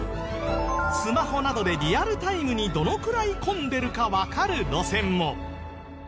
スマホなどでリアルタイムにどのくらい混んでるかわかる路線も。